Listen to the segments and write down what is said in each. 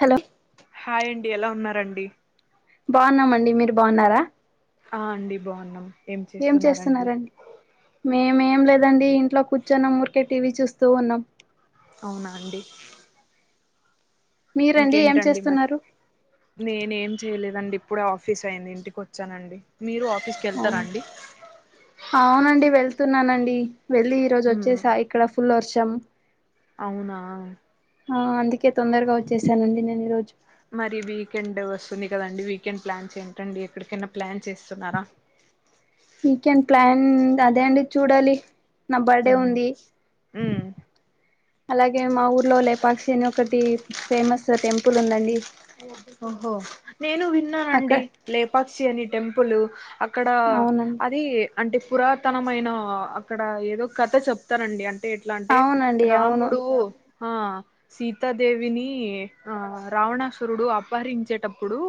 Hello హాయిండి ఎలా ఉన్నారండి బాగున్నాం అండి మీరు బాగున్నారా ఆ అండి బాగున్నాం ఏం చేస్తున్నారండి మేమేం లేదండి ఇంట్లో కూర్చున్నము ఊరికే టీవీ చూస్తూ ఉన్నాం అవునా అండి మీరండి ఏం ఇంకేంటండి మరి చేస్తున్నారు నేనే ఏం చేయలేదండి ఇప్పుడే ఆఫీస్ అయింది ఇంటికి వచ్చానండి మీరు ఆఫీస్కి వెళ్తారా అవును అండి అవునండి వెళ్తున్నానండి వెళ్ళి ఈ రోజు హ్మ్ వచ్చేసా ఇక్కడ ఫుల్ వర్షం అవునా ఆ అందుకే తొందరగా వచ్చేసానండి నేను ఈ రోజు మరి వీకెండ్ వస్తుంది కదండి వీకెండ్ ప్లాన్స్ ఏంటి అండి ఎక్కడికైనా ప్లాన్ చేస్తున్నారా వి కేన్ ప్లాన్ అదే అండి చూడాలి నా బర్డే హ్మ్ ఉంది హ్మ్ అలాగే మా ఊర్లో లేపాక్షి అని ఒకటి ఫేమస్ టెంపుల్ ఉందండి ఓహో నేను అక్కడ విన్నానండి లేపాక్షి అని టెంపులు అక్కడ అవునండి అది అంటే పురాతనమైన అక్కడ ఏదో కథ చెప్తారండి అం టే ఎట్లా అంటే అవునండి అవును రాముడు ఆ సీతా దేవినీ ఆ రావణసు ట్రూడు అపహరించేటప్పుడు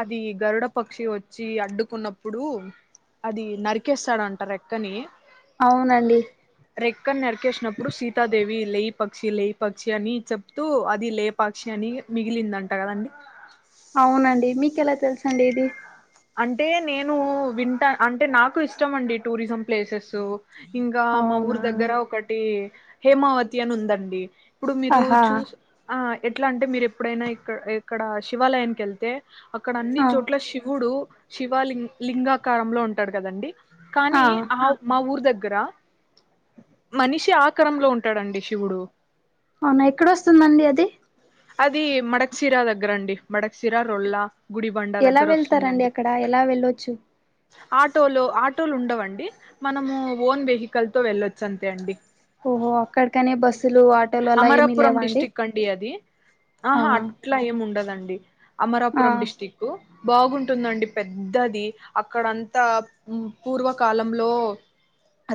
అది గరుడ పక్షి వచ్చి అడ్డుకున్నప్పుడు అది నరికేస్తాడు అంటా రేక్కని అవునండి అక్కడ నరికేసినప్పుడు సీతాదేవి లే పక్షి లే పక్షి అని చెప్తూ అది లేపాక్షి అని మిగిలిందం అంటా కదండి అవునండి మీకెలా తెలుసండి ఇది అంటే నేను వింటా అంటే నాకు ఇష్టం అండి టూరిజం ప్లేసెస్ ఇంకా మా అవునా ఊరు దగ్గర ఒకటి హేమావతి అని ఉందండి ఇప్పుడు మీరు ఆహా చూస్ ఆ ఎట్లా అంటే మీరు ఎప్పుడైనా ఇక్క ఇక్కడ శివాలయానికి వెళ్తే అక్కడ అన్ని ఆ చోట్ల శివుడు శివాలి లింగాకారంలో ఉంటాడు కదండి. కానీ ఆ మా ఊరు దగ్గ్ గ్ర మనిషి ఆకారంలో ఉంటాడండి శివుడు అవునా ఎక్కడ వస్తుందండి అది అది మడకశిరా దగ్గర అండి మడకశిరా రొల్లా గుడిబండ ఎలా దగ్గర వెళ్తారండి అక్కడ ఎలా వెళ్ళొచ్చు ఆటోలు ఆటోలు ఉండవండి మనము ఓన్ వెహికల్తొ వెళ్ళొచ్చు అంతే అండి. ఓహో అక్కడికనే బస్సులు ఆటోలు అలా ఏమి అమరాపురం లేవా అండి. డిస్టిక్ అది ఆ ఆహా అట్లా ఏమి ఉండదండి ఆ అమరాపురం డిస్టిక్కు బాగుంటుందండి పెద్దది అక్కడంతా పూ పూర్వకాలంలో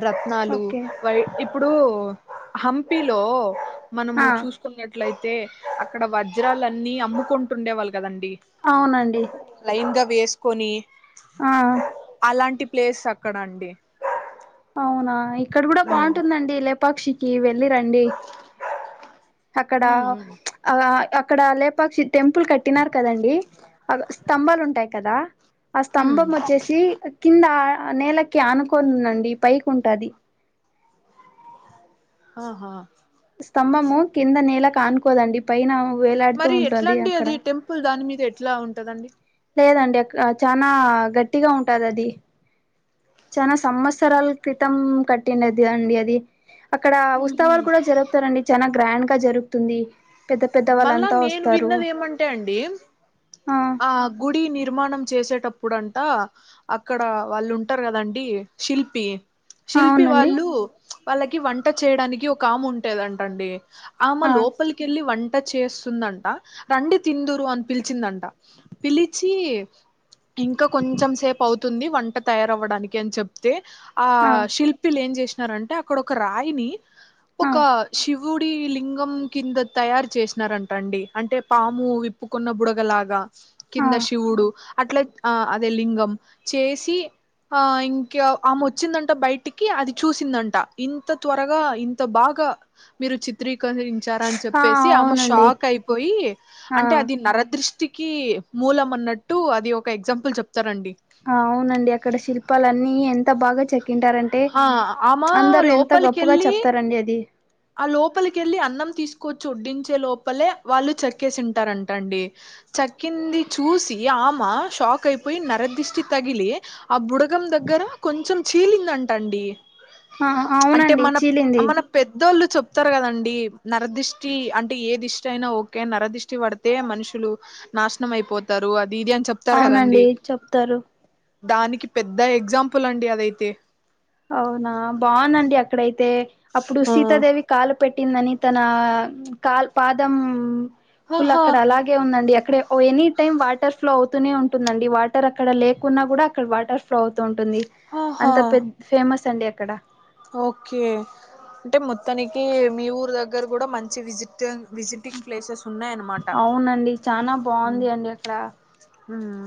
రత్నాలు ఓకే వై ఇప్పుడు హంపీలో మనము ఆ చూసుకున్నట్లయితే అక్కడ వజ్రాలన్నీ అమ్ముకుంటుండేవాళ్ళు కదండి. అవునండి ఇంగా వేస్కోని ఆ ప్లేస్ అక్కడ అండి అవునా ఇక్కడ కూడా ఉమ్ బాగుంటుందండి లేపాక్షికి వెళ్ళి రండి. అక్కడ ఉమ్ ఉమ్ చ్ ఆ అక్కడ లేపాక్షి టెంపుల్ క కట్టినారు కదాండి అగు స్తంభాలు ఉంటాయి కదా ఆ హ్మ్ స్తంభం వొచ్చేసి కింద నేలకి ఆనుకోనుందండి పైకి ఉంటాది ఆహా తంభము కింద నేలకు అనుకోదండి పైన వేలాడుతూ మరి ఉంటుంది ఎట్లాండి అక్కడ అది టెంపుల్ దాని మీద ఎట్లా ఉంటాదండి. లేదండి అక్ చానా గట్టిగా ఉంటాది అది చానా సంవత్సరాల క్రితం కట్టిండేది దండి అది అక్కడ ఉత్సవాలు కూడా జరుపుతారండి చానా గ్రాండ్ గా జరుగుతుంది. పెద్ద పెద్ద మళ్ళా వాళ్ళంతా నేను వస్తారు విన్నది ఏమంటే అండి ఆ గుడి నిర్మాణం చేసేటప్పుడు ఇప్పుడంట అక్కడ వాళ్ళు ఉంటారు కదండి శిల్పి శిల్పి అవునండి వాళ్ళు వాళ్ళకి వంట చేయడానికి ఒక ఆమే ఉంటదంటా అండి. ఆమ ఆ లోపలికెళ్లి వన్ ట చేస్తుందంట రండి తిందురు అని పిలిచిందంట పిలిచి ఇంకా కొంచెం సేపు అవుతుంది వంట తయారవ్వడానికి అని చెప్తే. ఆ శిల్పిలు ఏం చేసినారంటే అక్కడ ఒక రాయిని ఆ ఒక శివ్ గుడి లింగం కింద తయారు చేసినారంటండి అంటే పాము విప్పుకున్న బుడగలాగా ఆ కింద శివుడు అట్లే ఆ అదే లింగం చేసి ఆ ఇంకా ఆమె వచ్చిందంట బయటికి అది చూసిందంట ఇంత త్వరగా ఇంత బాగ్ కా మీరు చిత్రీ అకరించారా అని చెప్పేసి ఆ మ్మ షాక్ అయిపోయి ఆ అంటే అది నరదృష్టి టికి మూలం అన్నట్టు అది ఒక ఎక్సమ్పుల్ చెప్ అవునండి అక్కడ శిల్పాలన్నీ ఎంత బాగా చెక్ కింటారంటే ఆ ఆమ అందరూ ఎంత గొప్పగా లోపలికెళ్ళి చెప్తారండి అది. ఆ లోపలికెళ్ళి అన్నం తీసుకొచ్చి ఒడ్డించే లోపలే వాళ్ళు చెక్కేసింటారంటా అండి. చక్కింది చూసి ఆమె షాక్ అయిపోయి నరదిష్టి తగిలి ఆ బుడగం దగ్గర కొంచం చీలిందంటండి ఆ అంటే అవునండి మన చీలింది మన పెద్ద పెద్దోళ్ళు చెప్తారు కదండి నరదిష్టి అంటే ఏ దిష్టి అయినా ఓకే నరదిష్టి పడితే మనుషు లు నాశనం అయిపోతారు అది ఇది అని చెప్తారు కదండి అవునండి చెప్తారు దానికి పెద్ద ఎగ్జాంపుల్ అండి అదైతే అవున బాగుందండి అక్కడైతే అప్పుడు ఆ సీతాదేవి కాలు పెట్టిందని తన కాల్ పాదం ఫుల్ ఆహా అక్కడ అలాగే ఉందండి అ అక్కడ ఎనీ టైమ్ వాటర్ ఫ్లో అవుతూనే ఉంటుందండి వాటర్ అక్కడ లేకున్నా కూడ అక్కడ వాటర్ ఫ్లో అవుతూ ఉంటుంది ఉంటుంది ఆహా అంత పెద్ద ఫేమస్ అండి అక్కడ ఓకే అంటే మొత్తానికి మీ ఊరు దగ్గర కూడ మంచి విజిట్ విజిటింగ్ ప్లేసెస్ ఉన్నాయన్నమాట అవునండి చానా బాగుంది అండి అక్కడ హుమ్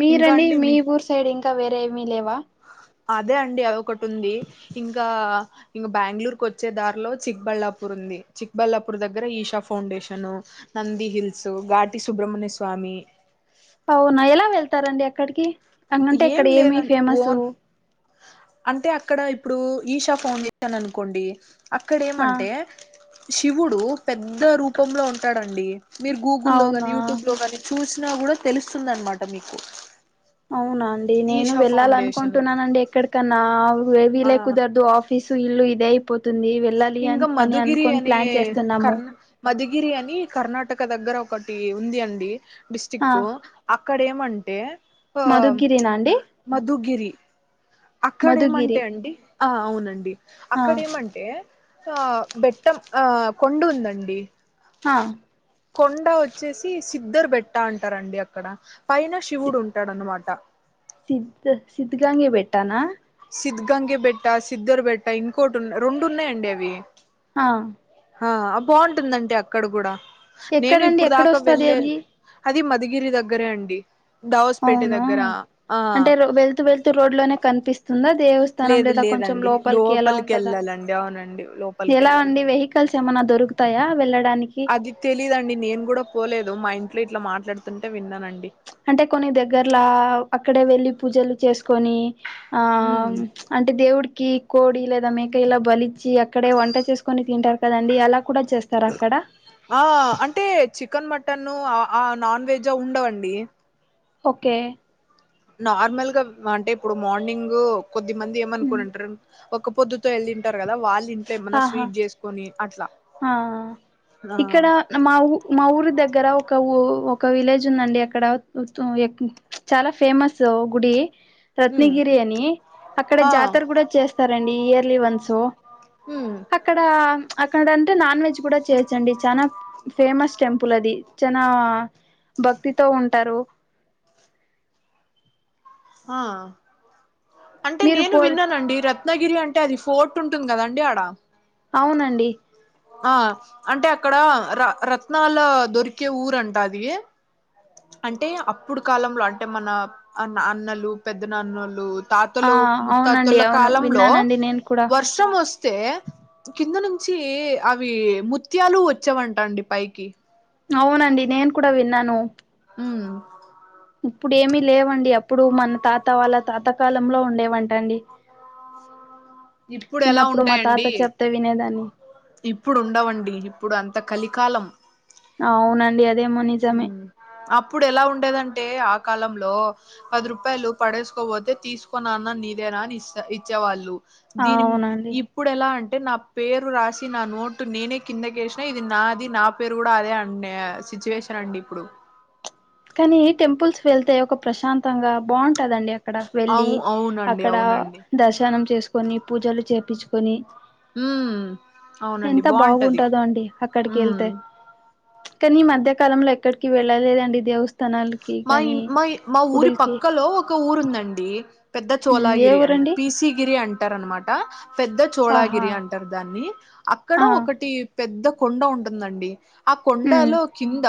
మీరండి మీ ఊర్ సైడ్ ఇంక వేరేమీ లేవా అదే అండి అది ఒకటి ఉంది ఇంకా ఇంక బెంగళూరుకి వచ్చే దారిలో చిక్బళ్ళాపూర్ ఉంది చిక్బల్లాపూర్ దగ్గర ఈషా ఫౌండేషను నంది హిల్స్ ఘాటి సుబ్రహమణ్య స్వామి మ్ అవునా ఎలా వెళ్తారంండి అక్కడికి అందు కంటే ఇక్కడ ఏం ఏమి లేదండి ఫేమస్ ఓన్ అంటే అక్కడ ఇప్పుడు ఈషా ఫౌండేషన్ అనుకోండి అక్కడ ఆ ఏమంటే శివుడు పెద్ద రూపంలో ఉంటాడంండి మీరు గూగుల్లో కానీ అవునా యూట్యూబ్ లో ని చూసినా కూడ తెలుస్తుందనమాట మీకు అవునా అండి నేను ఈషా వెళ్ళాల ఫౌండేషన్ అనుకుంటున్నానండి ఎక్కడికన్నా ఏ ఆ వీలే కుదరదు ఆఫీసు ఇల్లు ఇదె అయిపోతుంది వెళ్ళాలి అ ఇంకా అని మధుగిరి అనుకోని ప్లాన్ చేస్తున్నాము గిరి అని కర్ణాటక దగ్గర ఒకటి ఉంది అండి డిస్టి్క్ ఆ కు ఇక్కడ ఏమంటే మధుగిరినా అండి మధుగిరి అక్కడేమంటే మధుగిరి అండి ఆ అవునండి ఆ అక్కడేమంటే ఆ బెట్టం ఆ కొండు ఉందండి అ కొండ వచ్చేసి సిద్దర్ బెట్ట అంటారండి అక్కడ పైన శివుడు ఉంటాడనమాట సిద్ సిద్గంగి బెట్టాన సిద్గంగి బెట్ట సిద్ద్దరు బెట్ట ఇంకోటి ఉ రెండు ఉన్నాయంండి అవి అ ఆ బాగుంటదండి అక్కడ కూడ నేను ఎక్కడండి ఇప్పుడు దాక ఎక్కడొస్తది వెళ్ళ అది అది మధగిరి దగ్గరే అండి దావస్పేట అవునా దగ్గర ఆ అంటే వెళ్తూ వెళ్తూ రోడ్ లోనే కనిపిస్తా వస్తుంద దేవస్థానం లేదు లేదా కొంచం లేదండి లోపలికి ఎలా ఉంటదా వెళ్ళాలండి అవునండి లోపలికి ఎలా వెళ్ళాలి అండి వెహికల్స్ ఏమన్న దొరుకుతాయ వెళ్ళ అది తెలీదండి నేను కూడ పోలేదు మా ఇంట్లో ఇట్ల మాట్లాడుతుంటే విన్నానండి అంటే కొన్ని దగ్గర్లా అక్కడే వెళ్లిి పూజలు చేసుకొని ఆ ఉమ్ అంటే దేవుడి కి కోడి లేదా మేక ఇలా బలిచ్చిి అక్కడే వంట చేసుకొని తింటారు కదండి అలా కూడా చేస్తారా అక్కడ ఆ అంటే చికెన్ మటన్ న్ ఆ నాన్ వెజ్ ఉండవండి ఓకె నార్మల్ గా అంటే ఇప్పుడు మార్నింగ్ కొద్ది మంది ఏమనుకునింటారు ఒక్క, పొద్దుతో, ఎల్డింటారు, గదా, వాళ్ళింట్లో, ఏమన్నా, ఆహా స్వీట్, జెసుకొని, అట్ల. ఆ, ఇక్కడ, మా, ఊ, మాఊరి, దగ్గర, ఒక, ఊ. ఒక, విలేజ్, ఉందండి, అక్కడ, తుం ఏ క్ చాలా, ఫేమస్, ఓ గుడి. ఉమ్ రత్నగిరి, అనీ, అక్కడ, హా జాతర, గుడ, జెస్తారంండి, ఇయర్లీ, వన్స్స్. ఉమ్ అక్కడ, అక్కడంటే, నాన్ వెజ్, గుడ, చేయొచ్చండి, చనా. ఫేమస్, టెంపుల్, అది, చనా, భక్తితో, ఉంటారు. [inaudible] ఆ, అంటే, మీరు నేను, పో విన్నానండి, రత్. రత్నగిరి, అంటే, అది, ఫోర్ట్, ఉంటుంది, గదండి, ఆడ. అవునండి. ఆ అంటే, అక్కడా, ర రత్నాల, దొరికే, ఊరంట, అదీ ఏ. అంటే, అప్పుడు, కాలంలో, అంటే, మన, అ అన్నలు, పెద్ద నాన్నలూ. ఆ తాతలు, అవునండి ముత్తాతల అవును కాలంలో, విన్నానండి నేను కూడా వర్షం, వొస్తే, కింద, ను. చ్చి అవి, ముత్యాలు, వొచ్చేవంట, అండి, పైకి. అవునండి, నేను, కూడా, విన్నాను. ఉమ్. ఇప్పుడు, ఏమి, లేవండి, అప్పుడు, మన, తాత, వాళ్ళ, తాతకాలంలో, ఉండేవంటండి. ఇప్పుడు, ఎలా, చిన్నప్పుడు మా తాత ఉంటాయండి. చెప్తే వినేదాన్ని ఇప్పుడు, ఉండవండి, ఇప్పుడు, అంత, కలికాలం. అవునండి, అదేమో, నిజమే. అప్పుడెల, ఉండేదంటే, ఆ కాలంలో, పది, రూపాయలు, పడేసుకోవొతే, తీసుకో, నాన్న, నీదే, అ. నాని స్ అ ఇచ్చేవాళ్ళు, దీని మి అవునండి ఇప్పుడు, ఎలా, అంటే. అంటే, నా పేరు, రాసి, నా నోట్, నేనే, కిందకేసినా, ఇది నాది, నా పేరు, గుడ, అదే, అన్నే సీ. సిచ్యువేషన్, అండి, ఇప్పుడు. కానీ, టెంపుల్స్, వెళ్తే, ఒక ప్రశాంతంగా, బాటదండి. అక్కడకు, వెళ్లి, అవు అవునండి అక్కడ, అవునండి దర్శనం, చేసుకొని, పూజలు, చేపిచ్చుకొని. ఉమ్ అవునండి ఎంత, బాగుంటది బాగుంటందో, అండి, అక్కడికి, ఉమ్ ఎళ్తే. కానీ, మధ్యకాలంలో, ఎక్కడికి, వెళ్ళలేదండి, దేవు. మాయిన్, మాయి, మా ఊరి, గుడులకి పక్కలో, ఒక, ఊరుందండి, ఇ. పెద్ద హ్మ్ ఏ చోలాగిరి, అని ఊరండి పీసిగిరి, అంటారు, అన్నమా. నా పెద్ద, ఆహా చోళాగిరి, అంటారు, దాన్ని, అక్కడ, ఆ ఒకటి. పెద్ద కొండ, ఉంటుందండి, ఆ ఉమ్ కొండలో, కింద,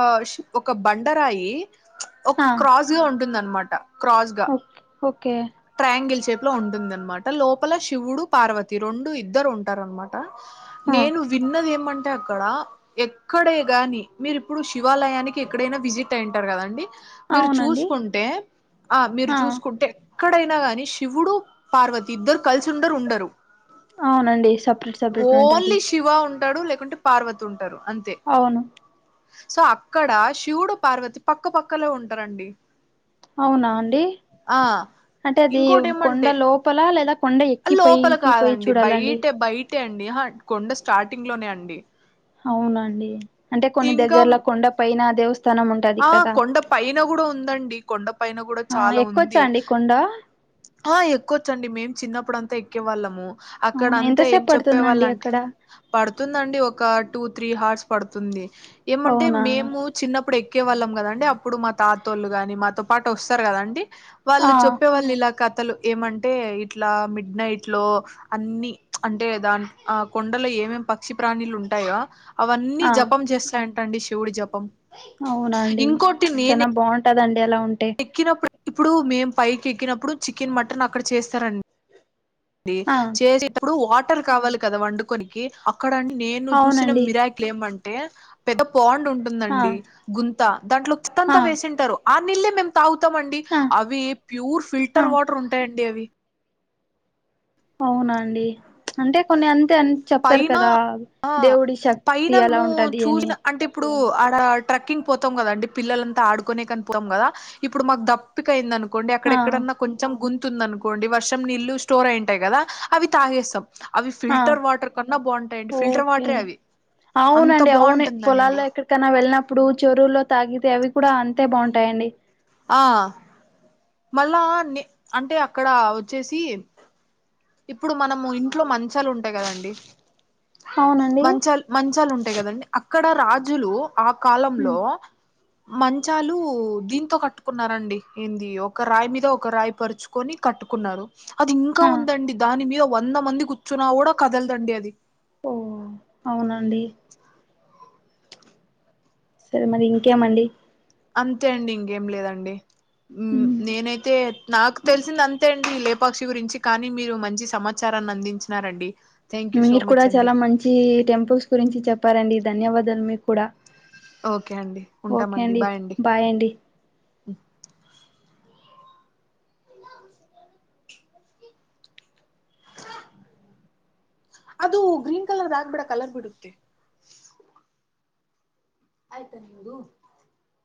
అ షి ఒక బం. బండ రాయి, ఒక, ఆ క్రాస్, గా ఉంటుందన్న, మాట, క్రాస్, గా. ఓకే ఓకే ఎంగిల్ షేప్ లో, ఉంటుందన్నమాట, లోపల, శివుడు, పార్వతి, రొండు, ఇద్దరు, ఉంటారన్న, మాట. ఆ నేను విన్నదేమం. అంటే, అక్కడ, ఎక్కడే గాని, మీరు ఇప్పుడు, శివాలయానికి, ఎక్కడైనా, విజిట్, అయింటారు, గదండి. మీరు, అవునండి చూసుకుంటే, ఆ మీరు, ఆ చూసుకుంటే. ఎక్కడైనా గాని, శివుడు, పార్వతి, ఇద్దరు, కలిసి, ఉండరు, ఉండరు. అవునండి, సపరేట్, సపరేట్, అంటది. ఓన్లీ శివ ఉంటాడు, లేకుంటే, పార్వతి, ఉంటారు, అంతే. అవును సో అక్కడ, శివుడు, పార్వతి, పక్క, పక్కలో, ఉంటారండి. అవునా, అండి. ఆ అంటే, అది వ్ ఇంకోటి కొండ, ఏమంటే లోపల, లేదా కొండ, ఎక్కి, పోయికి, పోయి, చూడాలండి. అంతే, అండి, కొండ స్టార్టింగ్, లోనే, అండి. అవునండి, అంటే, కొన్ని, ఇంకా దగ్గర్ల, కొండ పైన, దేవస్థ. ఆ కొండ పైన కూడ ఉందండి కొండ పైన కూడ ఆ చాల ఎక్కొచ్చా ఉంది అండి కొండ ఆ ఎక్కొచ్చండి మేము చిన్నప్పుడంతా ఎక్కేవాళ్ళము అక్కడ అవునా అంతా ఏం ఎంతసేపు పడుతుందండి చెప్పేవాళ్ళంటే అక్కడ పడుతుందండి ఒక టూ త్రీ హార్స్ పడుతుంది ఏమంటే అవునా మేము చిన్నప్పుడు ఎక్కేవాళ్ళం కదా అండి ఆప్పుడు మా తతోళ్ళు గాని మాతో పాటు వస్తారు కదా అండి ఆ వాళ్ళు చెప్పేవాళ్ళు ఇలా కథలు ఏమంటే ఇట్లా మిడ్ నైట్ లో అన్ని అంటే దా కొండ లో ఏమేం పక్షి ప్రాణీలు ఉంటాయో అవన్నీ జపం చేస్తాయంటండి శివుడి జపం అవునాండి ఇంకోటి నేను చన బాగుంటదండి అలా ఉంటే ఎక్కినప్పుడు ఇప్పుడు మేం పైకి ఎక్కినప్పుడు చికెన్ మటన్ అక్కడ చేస్తారన్ ఆ చేసేటప్పుడు వాటర్ కావాలి కదా వండుకొనికి అక్కడ నేను చూసిన అవునండి మిరకిల్ ఏమంటే పెద్ద పండ్ ఆ ఉంటుందండి గుంత ఆ దాంట్లోత్తంతా చ్వేసింటారు ఆ నీల్లే మేము తాగుతామండి ఆ అవి ప్యూర్ ఆ ఫిల్టర్ వాటర్ ఉంటాయండి అవి అవునండి అంటే కొన్ని అ అ అని చెప్తారు పైన కదా ఆ దేవుడి పైన శక్తి అలా మేము ఉంటది అని చూసిన అంటే ఇప్పుడు ఆడ ట్రెక్కింగ్ పోతాం కదా అండి పిల్లల్లంతా ఆడుకునే కని పోతం కదా ఇప్పుడు మాకు దప్పిక అయింద అను అనుకోండి ఆ అక్కడెక్కడన్నా కొంచెం గుంతు ఉంది అనుకోండి వర్షం నీల్లు స్టోర్ అయింటాయి కదా అవి తగేస్తం అవి ఆ ఫిల్టర్ వాటర్ కన్నా బాగుంటాయండి ఫిల్టర్ ఓకే వాటరే అవి అంత అవునండి అవును బాగుంటుందండి పొలాల్లో ఎక్కడికైనా వెళ్ళినప్పుడు చెరువుల్లో త తగితే అవి కూడా అంతే బాగుంటయండి ఆ మళ్ళా అంటే అక్కడ వచ్చేసి ఇప్పుడు మనము ఇంట్లో మంచాలు ఉంటాయి కదండి అవునండి మంచాలు మంచాలు ఉంటాయి కదండి అ ఇక్కడ రాజులు ఆ కాలంలో హ్మ్. మంచాలు దీంతో కట్ కట్టుకున్నారండి ఏంది ఒక రాయి మీద ఒక రాయి పరుచుకొని కట్టుకున్నారు అది ఇంకా ఆ ఉందండి దాని మీద వంద మంది కూర్చున్నా కూడ కదలదండి అది ఓ అవునండి సరే మరి ఇంకేమండి అంతే అండి ఇంకేం లేదండి హ్మ్. నేనైతే నాకు తెలిసింది అంతే అండి లేపాక్షి గురించి కానీ మీరు మంచి సమాచారాన్ని అందించినారండి థ్యాంక్ యూ సో మీరు కూడ మచ్ అండి చాలా మంచి టెంపుల్స్ గురించి చెప్పారండి ధన్యవాదాలు మీకు కూడ ఓకే అండి ఓకే ఉంటామండి అండి బాయ్ అండి ఇ స [inaudible] అద గ్రీన్ కలర్ [unintelligible] కలర్ పడుది [unintelligible]